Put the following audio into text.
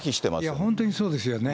いや本当にそうですよね。